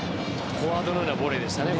フォワードのようなボレーでしたね。